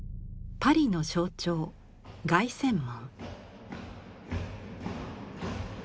パリの象徴凱旋門。